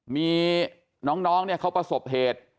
มีน้องเขาประสบเหตุ